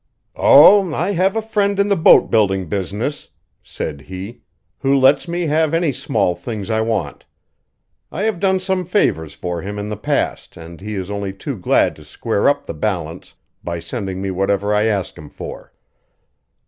"Oh, I have a friend in the boat building business," said he, "who lets me have any small things I want. I have done some favors for him in the past and he is only too glad to square up the balance by sending me whatever I ask him for."